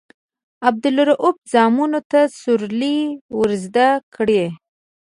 عبدالروف زامنو ته سورلۍ ورزده کړي.